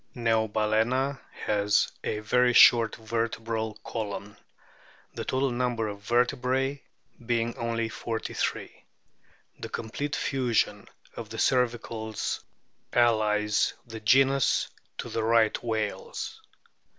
* Neobalana has a very short vertebral column, the total number of vertebrae being only forty three. The complete fusion of the cervicals allies the genus to the Right whales.